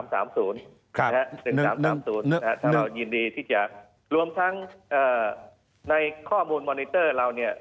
ถ้าเรายินดีที่จะรวมทั้งในข้อมูลมอนิเตอร์เราเนี่ย